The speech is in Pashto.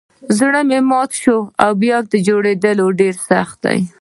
زړه چي مات سي بیا یه جوړیدل ډیر سخت دئ